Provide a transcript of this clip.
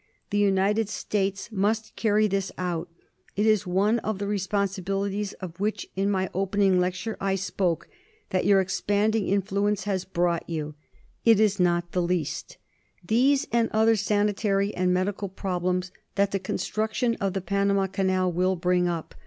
The United States must carry this out. It is one of the responsibilities, of which in my opening lecture I spoke, that your expanding influ ence has brought you. It is not the least. These, and other sanitary and medical problems that the construction of the Panama Canal will bring up, 2l6 PROBLEMS IN TROPICAL MEDICINE.